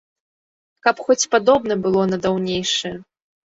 Каб хоць падобна было на даўнейшае.